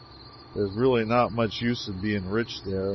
There is really not much use in being rich, there.